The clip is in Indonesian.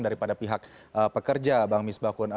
daripada pihak pekerja bang misbah kun